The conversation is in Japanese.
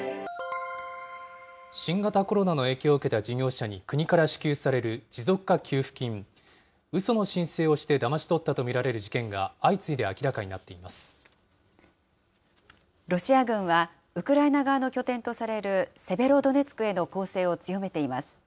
新型コロナの影響を受けた事業者に国から支給される持続化給付金、うその申請をしてだまし取ったと見られる事件が、相次いでロシア軍は、ウクライナ側の拠点とされるセベロドネツクへの攻勢を強めています。